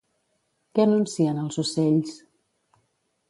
Què anuncien els ocells?